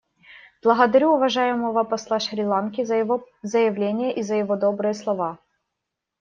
Благодарю уважаемого посла Шри-Ланки за его заявление и за его добрые слова.